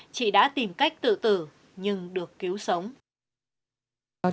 chị đã tìm cách tự tử nhưng được cứu sống